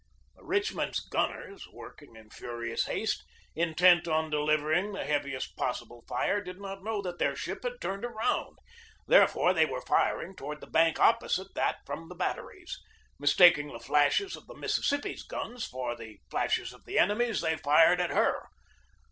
The Richmond's gunners, working in furious haste, intent on delivering the heaviest possible fire, did not know that their ship had turned around. There fore they were firing toward the bank opposite that from the batteries. Mistaking the flashes of the Mississippi's guns for the flashes of the enemy's, they fired at her.